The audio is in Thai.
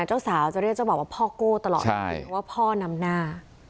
เจ้าสาวจะเรียกเจ้าบ่าวว่าพ่อโก้ตลอดว่าพ่อนำหน้า